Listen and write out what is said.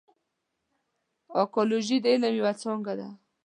اکولوژي د علم یوه څانګه ده.